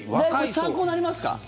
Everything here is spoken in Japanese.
参考になりますか？